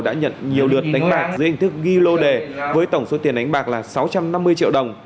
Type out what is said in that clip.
đã nhận nhiều đợt đánh bạc dưới hình thức ghi lô đề với tổng số tiền đánh bạc là sáu trăm năm mươi triệu đồng